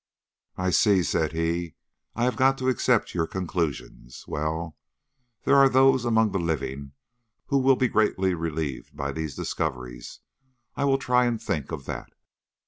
"I see," said he, "I have got to accept your conclusions. Well, there are those among the living who will be greatly relieved by these discoveries. I will try and think of that."